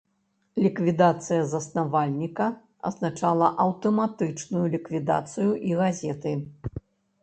Ліквідацыя заснавальніка азначала аўтаматычную ліквідацыю і газеты.